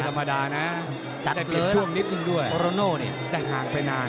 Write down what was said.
จัดจัดจัดอุ๊งเรียงช่วงนิดนึงด้วยแต่ห่างไปนาน